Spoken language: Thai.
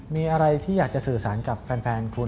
มีอะไรที่อยากจะสื่อสารกับแฟนคุณ